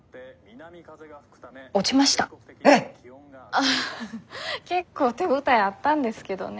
アハハ結構手応えあったんですけどね